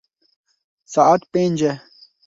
Saet pênc e.